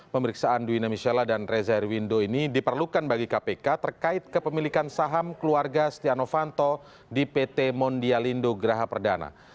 pemeriksaan duwina mishela dan reza herwindo ini diperlukan bagi kpk terkait kepemilikan saham keluarga stiano fanto di pt mondialindo graha perdana